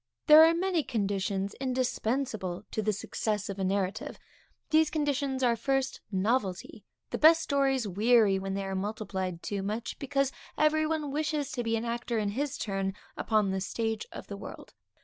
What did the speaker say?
_ There are many conditions indispensable to the success of a narrative. These conditions are, first, novelty; the best stories weary when they are multiplied too much, because every one wishes to be an actor in his turn upon the stage of the world.